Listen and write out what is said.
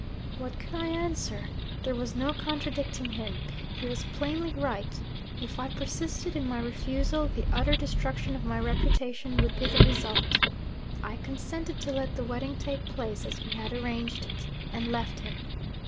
What could I answer? There was no contradicting him he was plainly right: if I persisted in my refusal, the utter destruction of my reputation would be the result. I consented to let the wedding take place as we had arranged it and left him.